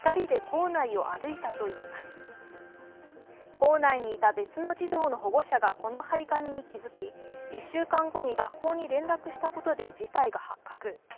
校内にいた別の児童の保護者が１週間後に学校に連絡したことで事態が発覚。